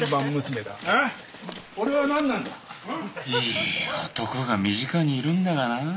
いい男が身近にいるんだがなぁ。